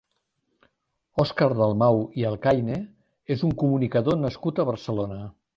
Òscar Dalmau i Alcaine és un comunicador nascut a Barcelona.